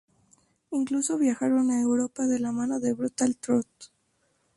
Incluso viajaron a Europa de la mano de Brutal Truth.